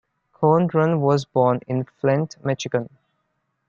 Conran was born in Flint, Michigan.